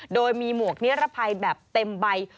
โดยมีหมวกนิรภัยแบบเต็มใบ